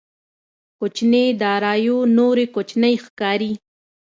کوچنيې داراییو نورې کوچنۍ ښکاري.